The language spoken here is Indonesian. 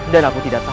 dan aku tidak tahu